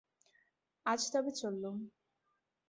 আজ তবে চললুম।